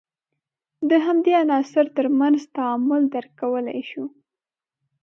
د همدغو عناصر تر منځ تعامل درک کولای شو.